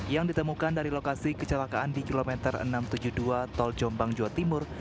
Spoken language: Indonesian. yang ditemukan dari lokasi kecelakaan di kilometer enam ratus tujuh puluh dua tol jombang jawa timur